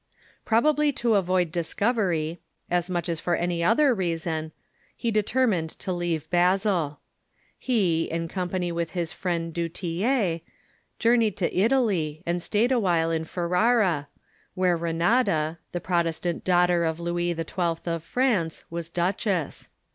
Probably to avoid discovery, as much as for any other reason, he determined to leave Basel. He, in company with his friend Du Tillet, journeyed to Italy, and stayed awhile in Ferrara, where Renata, the Protestant daughter of Louis XII. of France, was duchess.